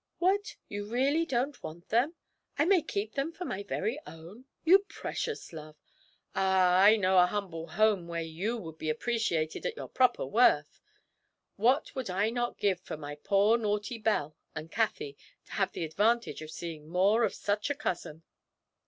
What, you really don't want them? I may keep them for my very own? You precious love! Ah, I know a humble home where you would be appreciated at your proper worth. What would I not give for my poor naughty Belle and Cathie to have the advantage of seeing more of such a cousin!'